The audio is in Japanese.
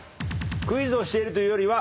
クイズをしているというよりは。